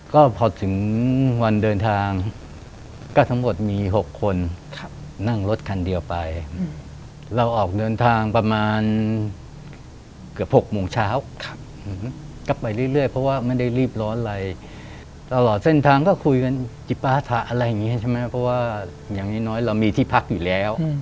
คุณภาระไหนผมพลายมาอยู่กับเราตรงนี้ละ